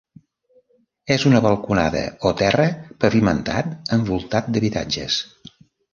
És una balconada o terra, pavimentat, envoltat d'habitatges.